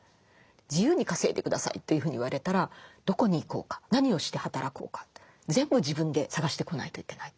自由に稼いで下さいというふうに言われたらどこに行こうか何をして働こうか全部自分で探してこないといけない。